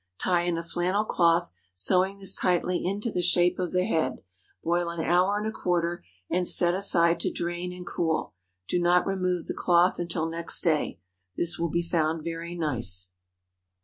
Tie in a flannel cloth, sewing this tightly into the shape of the head; boil an hour and a quarter, and set aside to drain and cool. Do not remove the cloth until next day. This will be found very nice.